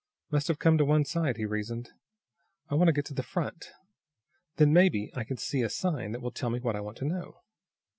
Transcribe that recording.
"Must have come to one side," he reasoned. "I want to get to the front. Then, maybe, I can see a sign that will tell me what I want to know."